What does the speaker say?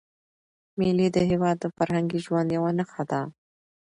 مېلې د هېواد د فرهنګي ژوند یوه نخښه ده.